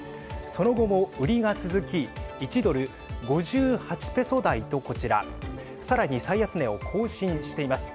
その後も売りが続き１ドル＝５８ペソ台とこちらさらに最安値を更新しています。